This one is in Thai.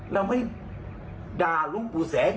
เราไม่ด่าหลวงปู่แสง